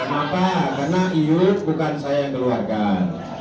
kenapa karena iur bukan saya yang keluarkan